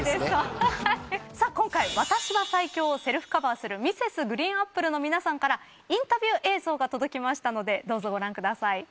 今回『私は最強』をセルフカバーするＭｒｓ．ＧＲＥＥＮＡＰＰＬＥの皆さんからインタビュー映像が届きましたのでどうぞご覧ください。